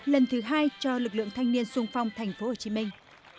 lần thứ hai cho lực lượng thanh niên sung phong thành phố hồ chí minh